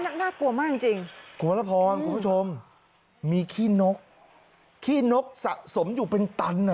น่ากลัวมากจริงจริงคุณวรพรคุณผู้ชมมีขี้นกขี้นกสะสมอยู่เป็นตันอ่ะ